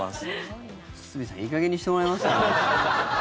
堤さんいい加減にしてもらえますか？